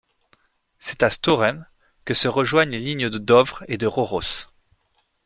C'est à Støren que se rejoignent les lignes de Dovre et de Røros.